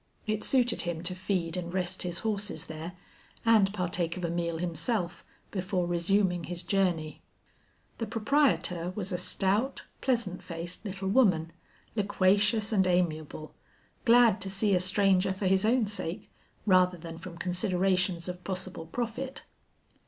It suited him to feed and rest his horses there, and partake of a meal himself, before resuming his journey. The proprietor was a stout, pleasant faced little woman, loquacious and amiable, glad to see a stranger for his own sake rather than from considerations of possible profit.